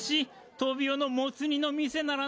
トビオのモツ煮の店ならね